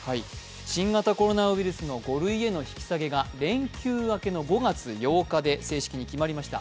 新型コロナウイルスの５類への引き下げが、連休明けの５月８日で正式に決まりました。